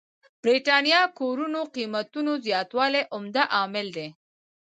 برېتانيا کورونو قېمتونو زياتوالی عمده عامل دی.